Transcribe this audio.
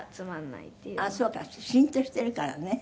そうかシーンとしてるからね。